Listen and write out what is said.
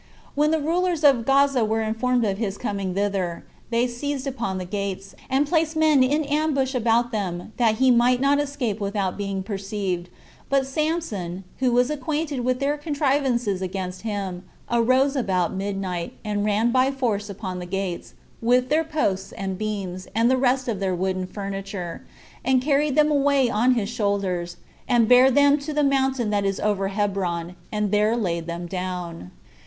When the rulers of Gaza were informed of his coming thither, they seized upon the gates, and placed men in ambush about them, that he might not escape without being perceived; but Samson, who was acquainted with their contrivances against him, arose about midnight, and ran by force upon the gates, with their posts and beams, and the rest of their wooden furniture, and carried them away on his shoulders, and bare them to the mountain that is over Hebron, and there laid them down.